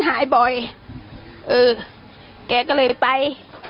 แกก็เลยไป